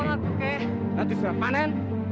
nanti setelah panen